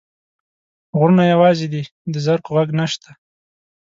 غرونه یوازي دي، د زرکو ږغ نشته